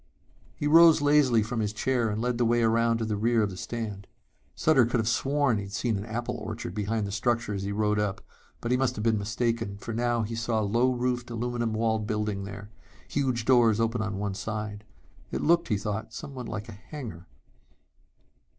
He rose lazily from his chair and led the way around to the rear of the stand. Sutter could have sworn he had seen an apple orchard behind the structure as he rode up, but he must have been mistaken for now he saw a low roofed, aluminum walled building there, huge doors open on one side. It looked, he thought, somewhat like a hangar....